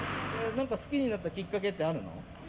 好きになったきっかけってあるの？